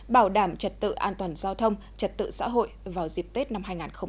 bảo đảm trật tự an toàn giao thông trật tự xã hội vào dịp tết năm hai nghìn hai mươi